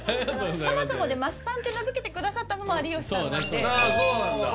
そもそもマスパンって名付けてくださったのも有吉さんなのでそうね